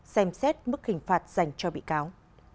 xem xét mức hình phạt dành cho bị cáo